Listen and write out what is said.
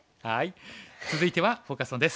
続いてはフォーカス・オンです。